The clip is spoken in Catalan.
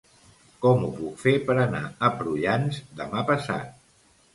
Com ho puc fer per anar a Prullans demà passat?